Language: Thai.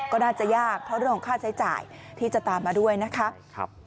ก็น่าจะยากเพราะเรื่องของค่าใช้จ่ายที่จะตามมาด้วยนะคะ